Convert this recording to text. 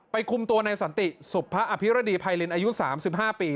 ไปกุมตัวนายสันติสุภาพิรดิพัยลินอายุ๓๕ปี